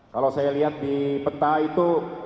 kalau saya lihat di peta itu